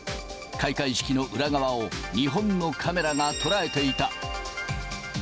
開会式の裏側を、日本のカメラが捉えていた。